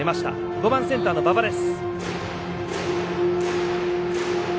５番センターの馬場です。